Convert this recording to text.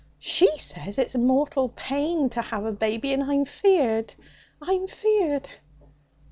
She says it's mortal pain to have a baby, and I'm feared I'm feared!'